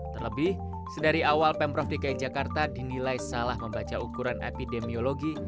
terlebih sedari awal pemprov dki jakarta dinilai salah membaca ukuran epidemiologi